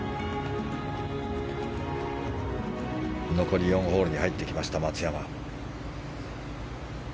残り４ホールに入ってきました松山。